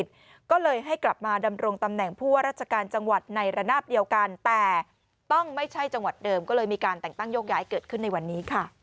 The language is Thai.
โปรดติดตามตอนต่อไป